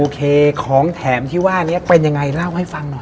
ของแถมที่ว่านี้เป็นยังไงเล่าให้ฟังหน่อย